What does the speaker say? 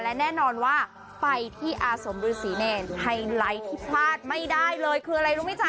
และแน่นอนว่าไปที่อาสมฤษีเนรไฮไลท์ที่พลาดไม่ได้เลยคืออะไรรู้ไหมจ๊